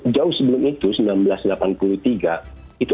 jauh sebelum itu seribu sembilan ratus delapan puluh tiga itu